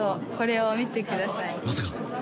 まさか。